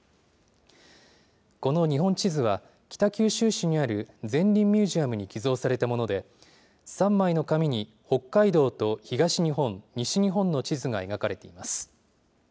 この日本地図は、北九州市にあるゼンリンミュージアムに寄贈されたもので、３枚の紙に北海道と東日本、西日本の地図が描かれています。